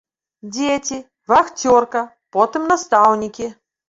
Дзеці, вахцёрка, потым настаўнікі.